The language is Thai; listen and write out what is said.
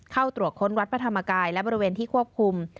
เข้าตรวจค้นวัดพระธรรมกายและบริเวณที่ควบคุม